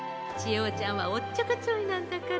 おちゃんはおっちょこちょいなんだから。